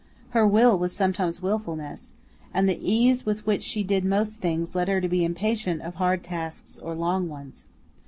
Her will was sometimes willfulness, and the ease with which she did most things led her to be impatient of hard tasks or long ones.